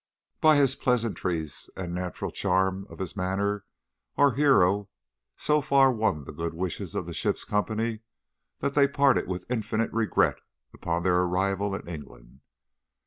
"By his pleasantries and the natural charm of his manners our hero so far won the good wishes of the ship's company that they parted with infinite regret upon their arrival in England.